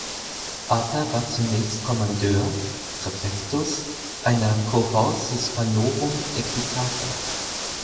Aper war zunächst Kommandeur (Praefectus) einer "Cohors Hispanorum equitata".